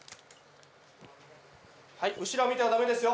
後ろを見てはダメですよ。